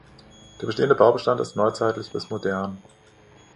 Der bestehende Baubestand ist neuzeitlich bis modern.